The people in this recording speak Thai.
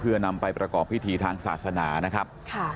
เพื่อนำไปประกอบพิธีทางศาสนานะครับ